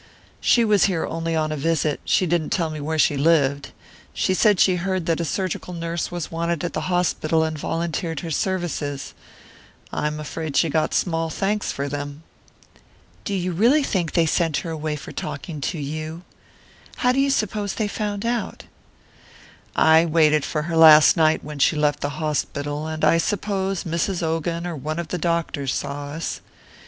"She was here only on a visit; she didn't tell me where she lived. She said she heard that a surgical nurse was wanted at the hospital, and volunteered her services; I'm afraid she got small thanks for them." "Do you really think they sent her away for talking to you? How do you suppose they found out?" "I waited for her last night when she left the hospital, and I suppose Mrs. Ogan or one of the doctors saw us.